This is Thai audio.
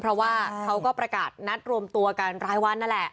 เพราะว่าเขาก็ประกาศนัดรวมตัวกันรายวันนั่นแหละ